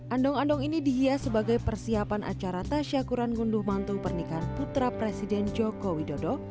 andong andong ini dihias sebagai persiapan acara tasyakuran ngunduh mantu pernikahan putra presiden joko widodo